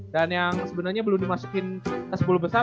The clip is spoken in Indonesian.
dan yang sebenernya belum dimasukin ke sepuluh besar